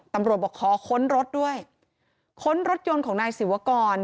ตำรวจบอกขอค้นรถด้วยค้นรถยนต์ของนายศิวกร